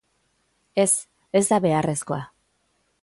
Ez, ez da beharrezkoa.